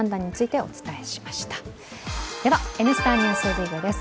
「Ｎスタ・ＮＥＷＳＤＩＧ」です。